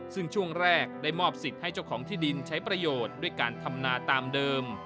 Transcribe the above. ซึ่งช่วงแรกได้มอบสิทธิ์ให้เจ้าของที่ดินใช้ประโยชน์ด้วยการทำนาตามเดิม